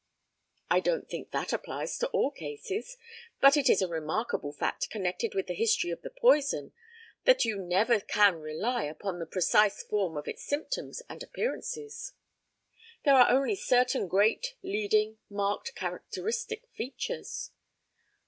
I don't think that applies to all cases. But it is a remarkable fact connected with the history of the poison that you never can rely upon the precise form of its symptoms and appearances. There are only certain great, leading, marked, characteristic features.